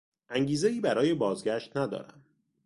انگیزهای برای بازگشت ندارم.